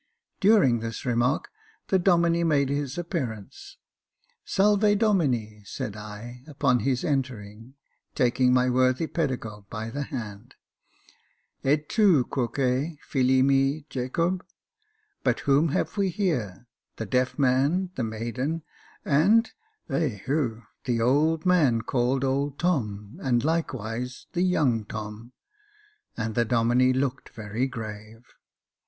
During this remark the Domine made his appearance, *' Salve Domine, ^^ said I, upon his entering, taking my worthy pedagogue by the hand. '^ Et tu quoque, Jilt mi, Jacohe I But whom have we here ? the deaf man, the maiden, and — ehu !— the old man called old Tom, and likewise the young Tom ;" and the Domine looked very grave.